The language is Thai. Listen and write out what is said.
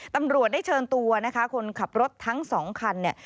ตำรวจได้เชิญตัวนะคะคนขับรถทั้งสองคันเนี่ย